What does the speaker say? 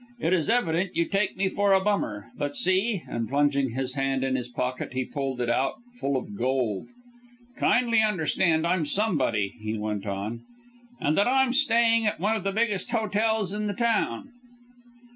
It is evident you take me for a bummer, but see," and plunging his hand in his pocket he pulled it out full of gold. "Kindly understand I'm somebody," he went on, "and that I'm staying at one of the biggest hotels in the town."